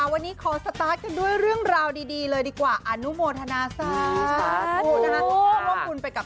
วันนี้ขอสตาร์ทกันด้วยเรื่องราวดีเลยดีกว่าอนุโมทนาสาธุนะคะ